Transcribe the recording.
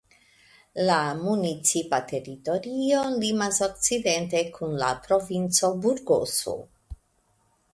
La municipa teritorio limas okcidente kun la provinco Burgoso.